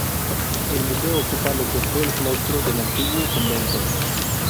El museo ocupa lo que fue el claustro del antiguo convento.